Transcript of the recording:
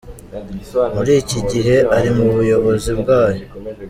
Muri iki gihe ari mu buyobozi bwayo.